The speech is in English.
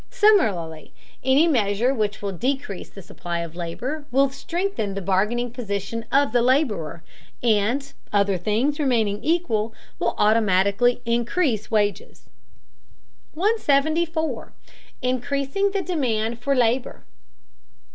Similarly, any measure which will decrease the supply of labor will strengthen the bargaining position of the laborer, and, other things remaining equal, will automatically increase wages. 174. INCREASING THE DEMAND FOR LABOR.